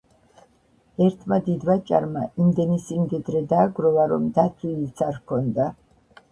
ერთმა დიდვაჭარმა იმდენი სიმდიდრე დააგროვა რომ დათვლილიც არ ჰქონდა.